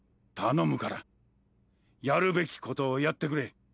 頼むからやるべきことをやってくれ。